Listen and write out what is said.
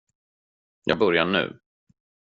Jag börjar nu.